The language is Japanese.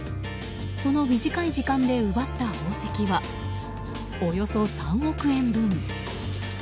その短い時間で奪った宝石はおよそ３億円分。